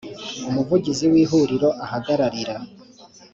umuvugizi w ihuriro ahagararira